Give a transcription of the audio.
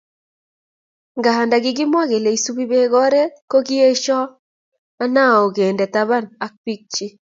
Nganda kikimwa kele isubi Bek oret, kokiesio Anao kende taban ak bikchi